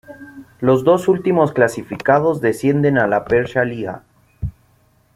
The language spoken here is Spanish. Los dos últimos clasificados descienden a la Persha Liha.